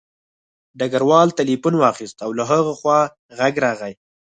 ډګروال تیلیفون واخیست او له هغه خوا غږ راغی